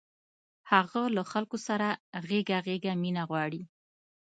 هغه له خلکو څخه غېږه غېږه مینه غواړي